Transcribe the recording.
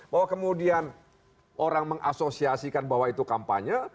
bahwa kemudian orang mengasosiasikan bahwa itu kampanye